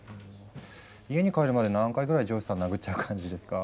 家に帰るまで何回ぐらい上司さん殴っちゃう感じですか？